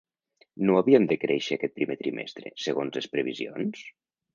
No havíem de créixer aquest primer trimestre, segons les previsions?